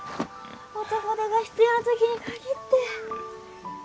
男手が必要な時に限って。